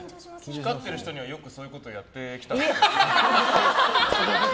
光ってる人にはよくそういうことやってきたんですか？